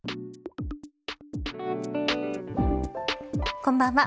こんばんは。